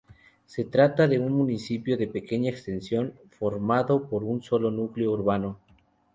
Se trata de un municipio de pequeña extensión formado por un solo núcleo urbano.